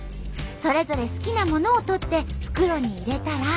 それぞれ好きなものを取って袋に入れたら。